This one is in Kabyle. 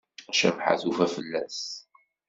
Cabḥa tufa fell-as.